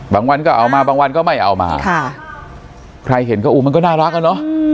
บางวันก็เอามาบางวันก็ไม่เอามาค่ะใครเห็นก็อู้มันก็น่ารักอ่ะเนอะ